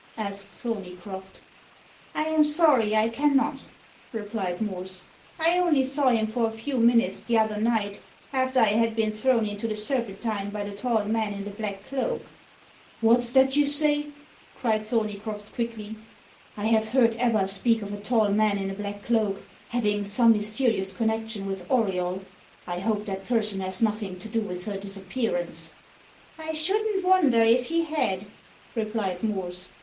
asked Thorneycroft. "I am sorry I cannot," replied Morse. "I only saw him for a few minutes the other night, after I had been thrown into the Serpentine by the tall man in the black cloak." "What's that you say?" cried Thorneycroft quickly. "I have heard Ebba speak of a tall man in a black cloak having some mysterious connection with Auriol. I hope that person has nothing to do with her disappearance." "I shouldn't wonder if he had," replied Morse.